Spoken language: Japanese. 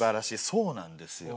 そうなんですよ。